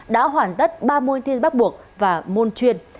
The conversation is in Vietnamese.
đã hoàn tất ba môn thi bắt buộc và môn chuyên